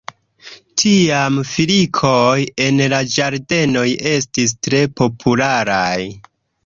Tiam filikoj en la ĝardenoj estis tre popularaj.